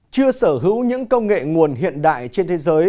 chưa sở hữu những công nghệ nguồn hiện đại trên thế giới